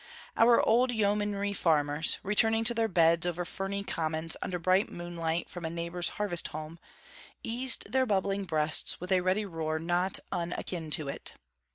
Our old yeomanry farmers returning to their beds over ferny commons under bright moonlight from a neighbour's harvest home, eased their bubbling breasts with a ready roar not unakin to it.